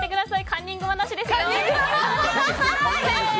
カンニングは、なしですよ。